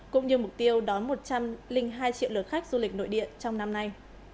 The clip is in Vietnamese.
cũng như mục tiêu đón một trăm linh hai triệu lượt khách du lịch nội địa trong năm nay